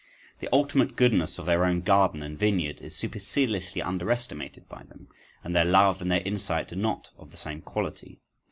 The ultimate goodness of their own garden and vineyard is superciliously under estimated by them, and their love and their insight are not of the same quality.